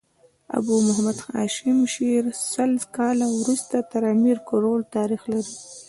د ابو محمد هاشم شعر سل کاله وروسته تر امیر کروړ تاريخ لري.